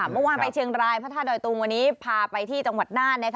เมื่อวานไปเชียงรายพระธาตุดอยตุงวันนี้พาไปที่จังหวัดน่าน